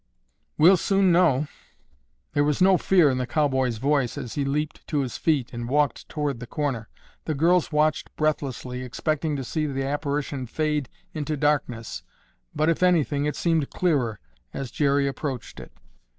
"We'll soon know." There was no fear in the cowboy's voice as he leaped to his feet and walked toward the corner. The girls watched breathlessly expecting to see the apparition fade into darkness, but, if anything, it seemed clearer, as Jerry approached it.